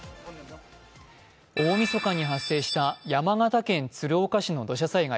大みそかに発生した山形県鶴岡市の土砂災害。